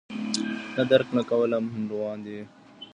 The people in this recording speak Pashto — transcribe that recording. نه درک کول لا هم روان دي.